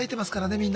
みんな。